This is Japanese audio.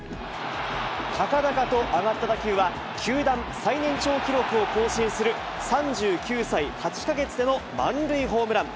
高々と上がった打球は、球団最年長記録を更新する、３９歳８か月での満塁ホームラン。